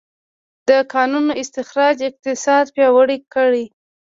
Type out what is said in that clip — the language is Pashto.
د کانونو استخراج اقتصاد پیاوړی کړ.